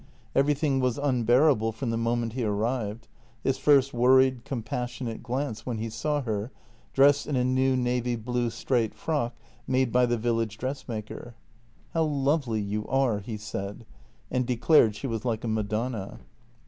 Every thing was unbearable from the moment he arrived — his first worried, compassionate glance when he saw her — dressed in a new navy blue straight frock made by the village dressmaker. " How lovely you are," he said, and declared she was like a madonna.